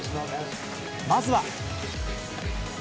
まずは。